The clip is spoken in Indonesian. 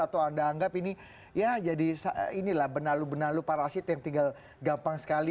atau anda anggap ini ya jadi inilah benalu benalu parasit yang tinggal gampang sekali